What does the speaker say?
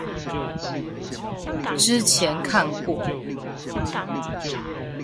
之前看過